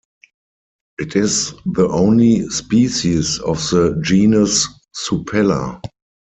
It is the only species of the genus Supella.